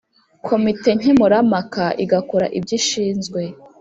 Komite Nkemurampaka igakora ibyishinzwe